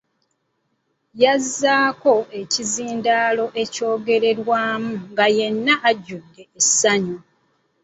Yazzaako ekizindaalo ekyogererwamu nga yenna ajjudde essanyu.